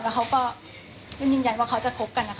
แล้วเค้าก็ยืนยันว่าเค้าจะคบกัน